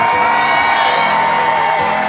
เอมเปอลอน